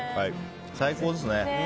最高ですね。